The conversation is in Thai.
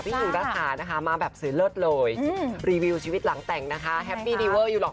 หนุ่มรัฐานะคะมาแบบสวยเลิศเลยรีวิวชีวิตหลังแต่งนะคะแฮปปี้ดีเวอร์อยู่หรอก